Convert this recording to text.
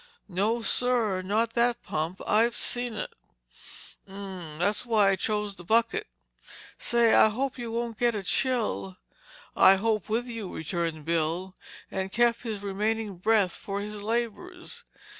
"No sir: not that pump. I've seen it!" "Mmm. That's why I chose the bucket. Say, I hope you won't get a chill." "I'll hope with you," returned Bill and kept his remaining breath for his labors.